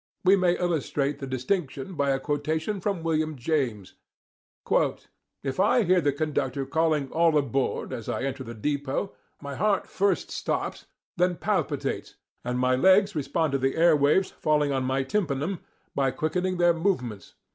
We may illustrate the distinction by a quotation from William James ("Psychology," i, 12): "If I hear the conductor calling 'all aboard' as I enter the depot, my heart first stops, then palpitates, and my legs respond to the air waves falling on my tympanum by quickening their movements.